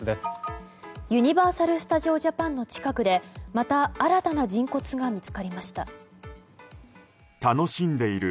ユニバーサル・スタジオ・ジャパンの近くでまた新たな人骨が見つかりました。